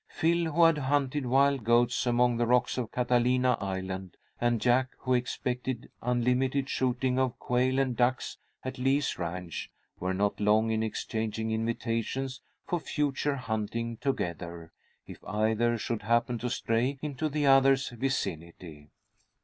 Phil, who had hunted wild goats among the rocks of Catalina Island, and Jack, who expected unlimited shooting of quail and ducks at Lee's Ranch, were not long in exchanging invitations for future hunting together, if either should happen to stray into the other's vicinity.